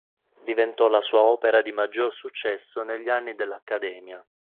Diventò la sua opera di maggior successo negli anni dell'Accademia.